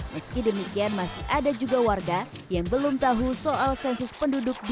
meski demikian masih ada juga warga yang belum tahu soal sensus penduduk dua ribu dua puluh